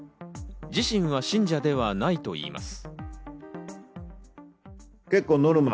自身は信者ではないといいます。